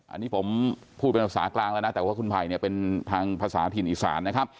อันนี้ผมพูดเป็นภาษากลางแล้วนะแต่ว่าคุณไผ่เนี่ยเป็นทางภาษาถิ่นอีสานนะครับ